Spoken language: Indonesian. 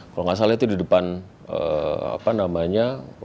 kalau nggak salah itu di depan apa namanya